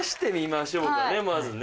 まずね。